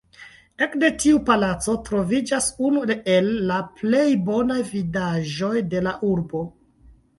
Ekde tiu palaco troviĝas unu el la plej bonaj vidaĵoj de la urbo.